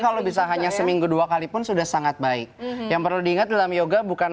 kalau bisa hanya seminggu dua kali pun sudah sangat baik yang perlu diingat dalam yoga bukan